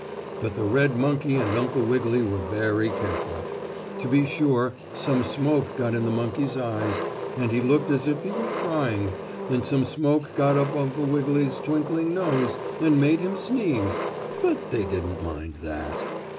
But the red monkey and Uncle Wiggily were very careful. To be sure some smoke got in the monkey's eyes, and he looked as if he were crying, and some smoke got up Uncle Wiggily's twinkling nose and made him sneeze, but they didn't mind that.